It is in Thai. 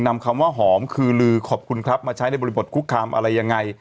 นำคำว่าหอมคือลือขอบคุณครับมาใช้ในบริบทคุกคามอะไรยังไง